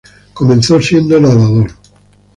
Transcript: Comenzó siendo nadador.